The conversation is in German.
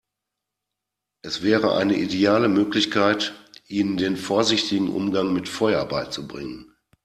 Es wäre eine ideale Möglichkeit, ihnen den vorsichtigen Umgang mit Feuer beizubringen.